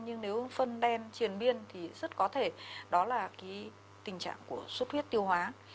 nhưng nếu phân đen triền biên thì rất có thể đó là cái tình trạng của xuất huyết tiêu hóa